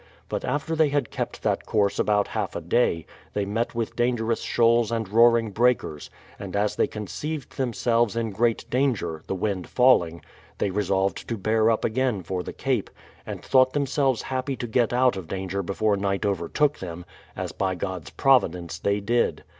But after they had kept that course about half a day, they met with dangerous shoals and roaring breakers, and as they conceived themselves in great danger, — the wind falling, — they resolved to bear up again for tlie Cape, and thought themselves happy to get out of danger before night overtook them, as by God's providence they did.